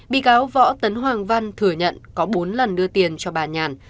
bị cáo võ tấn hoàng văn thừa nhận có bốn lần đưa tiền cho bà nhàn